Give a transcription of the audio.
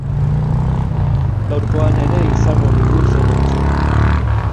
Gaurkoan ere izango dugu zer entzun.